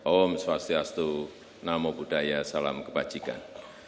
om swastiastu namo buddhaya salam kebajikan